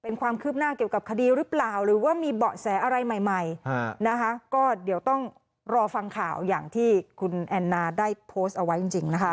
ในไอใหม่นะคะก็เดี๋ยวต้องรอฟังข่าวอย่างที่คุณแอนนาได้โพสต์เอาไว้จริงนะคะ